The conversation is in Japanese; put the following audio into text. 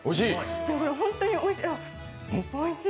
これ、本当においしい。